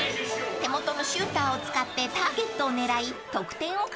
［手元のシューターを使ってターゲットを狙い得点を稼ぎます］